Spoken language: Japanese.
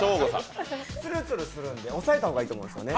つるつるするんで、抑えた方がいいと思うんですよね。